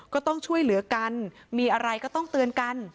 ก็ต้องช่วยเหลือกันมีอะไรก็ต้องเตือนกัน